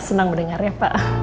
senang mendengarnya pak